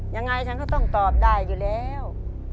ยังไงฉันก็ต้องตอบได้อยู่แล้ว